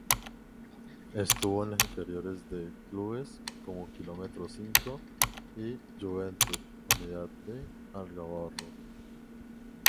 Estuvo en las inferiores de clubes como Kilómetro Cinco y Juventud Unida de Algarrobo.